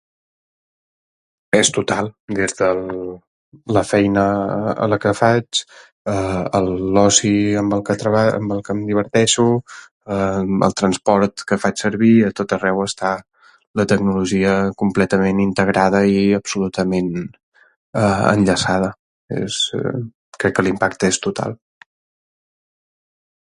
És total. Des de la feina que faig, a l'oci amb el que em diverteixo, al transport que faig servir... a tot arreu està la tecnologia completament integrada i absolutament enllaçada. Crec que l'impacte és total.